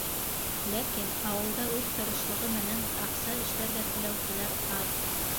Ләкин ауылда үҙ тырышлығы менән аҡса эшләргә теләүселәр аҙ.